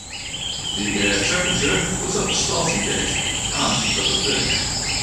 The air temperature was at the starting gate and at the finish.